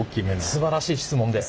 すばらしい質問で。